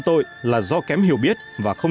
tội là do kém hiểu biết và không